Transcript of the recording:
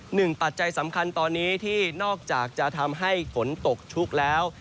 ปัจจัยสำคัญตอนนี้ที่นอกจากจะทำให้ฝนตกชุกแล้ว